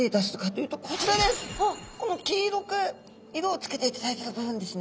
この黄色く色をつけていただいてる部分ですね。